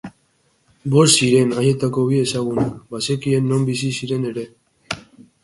Bost ziren, haietako bi ezagunak, bazekien non bizi ziren ere.